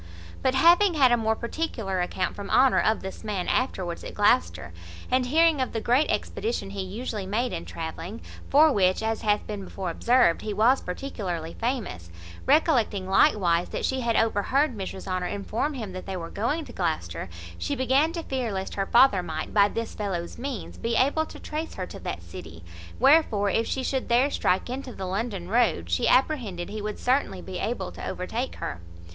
But, having had a more particular account from Honour of this man afterwards at Gloucester, and hearing of the great expedition he usually made in travelling, for which (as hath been before observed) he was particularly famous; recollecting, likewise, that she had overheard Mrs Honour inform him that they were going to Gloucester, she began to fear lest her father might, by this fellow's means, be able to trace her to that city; wherefore, if she should there strike into the London road, she apprehended he would certainly be able to overtake her.